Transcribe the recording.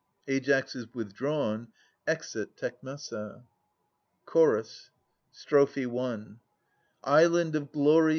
[AiAS is withdrawn. Exit Tecmessa. Chorus. Strophe I. Island of glory!